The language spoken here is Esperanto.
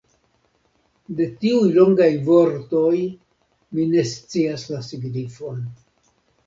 De tiuj longaj vortoj mi ne scias la signifon.